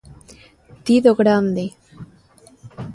Ti do grande.